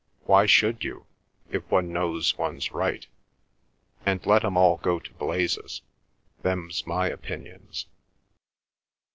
"Why should one, if one knows one's right? And let 'em all go to blazes! Them's my opinions!"